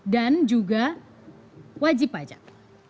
dan juga wajib pajak